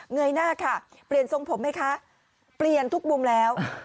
เยยหน้าค่ะเปลี่ยนทรงผมไหมคะเปลี่ยนทุกมุมแล้ว